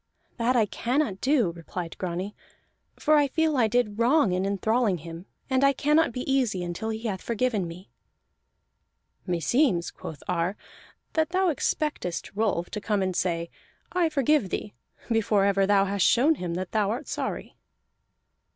"That I cannot do," replied Grani, "for I feel I did wrong in enthralling him, and I cannot be easy until he hath forgiven me." "Meseems," quoth Ar, "that thou expectest Rolf to come and say 'I forgive thee,' before ever thou hast shown him that thou art sorry."